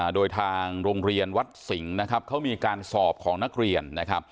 โดยทางโรงเรียนวัดสิงห์เขามีการสอบของนักเรียน